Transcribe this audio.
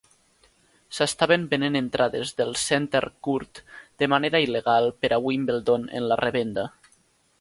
S'estaven venent entrades del Centre Court de manera il·legal per a Wimbledon en la revenda